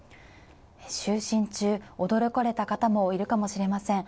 就寝中に驚かれた方もいるかもしれません。